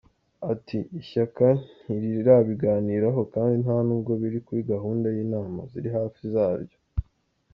Ati “Ishyaka ntirirabiganiraho kandi nta nubwo biri kuri gahunda y’inama ziri hafi zaryo.